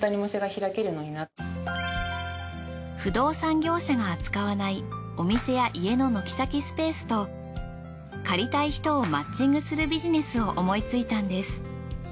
不動産業者が扱わないお店や家の軒先スペースと借りたい人をマッチングするビジネスを思いついたんです。